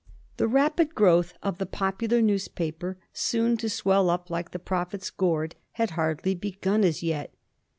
The rapid growth of the popular newspaper, soon to swell up like the prophet's gourd, had hardly begun as yet.